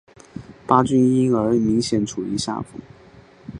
巴军因而明显处于下风。